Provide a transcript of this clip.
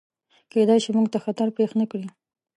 کیدای شي، موږ ته خطر پیښ نکړي.